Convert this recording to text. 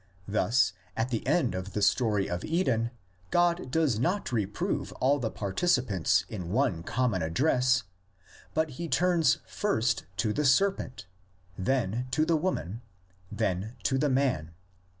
Thus at the end of the story of Eden God does not reprove all the participants in one common address; but he turns first to the serpent, then to the woman, then to the man.